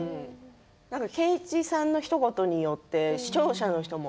圭一さんのひと言によって視聴者の人も